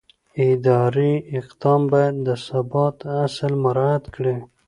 اداري اقدام باید د ثبات اصل مراعت کړي.